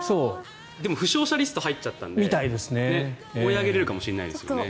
でも負傷者リストに入っちゃったので追い上げられるかもしれないですね。